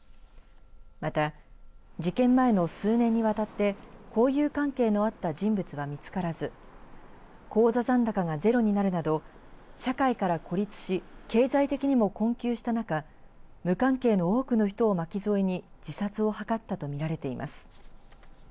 また、事件前の数年にわたって交友関係のあった人物は見つからず口座残高がゼロになるなど社会から孤立し経済的にも困窮した中無関係の多くの人を巻き添えに自殺を図ったと見られています。